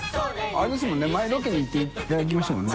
△譴任垢發鵑前ロケに行っていただきましたもんね。